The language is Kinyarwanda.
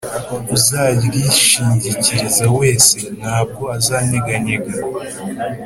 Uzaryishingikiriza wese, nta bwo azanyeganyega.